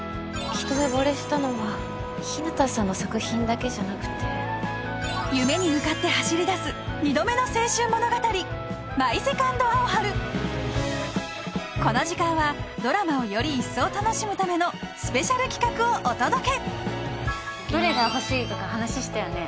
一目ぼれしたのは日向さんの作品だけじゃなくて夢に向かって走り出す２度目の青春物語この時間はドラマをより一層楽しむためのスペシャル企画をお届けどれが欲しいとか話したよね？